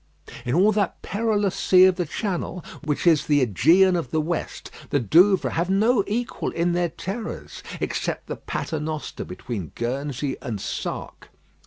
In all that perilous sea of the Channel, which is the Egean of the West, the Douvres have no equal in their terrors, except the Paternoster between Guernsey and Sark.